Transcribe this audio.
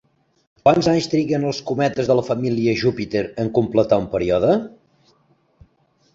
Quants anys triguen els cometes de la família Júpiter en completar el període?